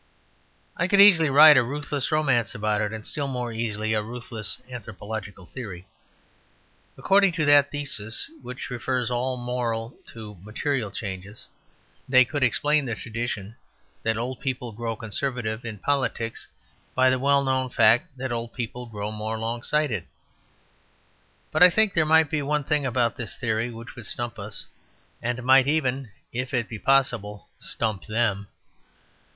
I could easily write a ruthless romance about it, and still more easily a ruthless anthropological theory. According to that thesis which refers all moral to material changes, they could explain the tradition that old people grow conservative in politics by the well known fact that old people grow more long sighted. But I think there might be one thing about this theory which would stump us, and might even, if it be possible, stump them.